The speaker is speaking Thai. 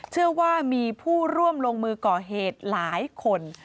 เชื่อว่ามีผู้ร่วมลงมือก่อเหตุหลายคน